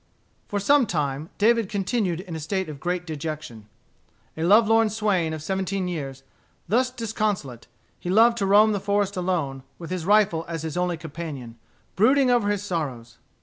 For some time David continued in a state of great dejection, a lovelorn swain of seventeen years. Thus disconsolate, he loved to roam the forest alone, with his rifle as his only companion, brooding over his sorrows.